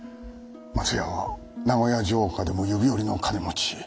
松屋は名古屋城下でも指折りの金持ち。